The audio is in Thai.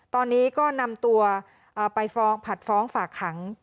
ตอนนี้ก็นำตัวไปฟ้องผัดฟ้องฝากขัง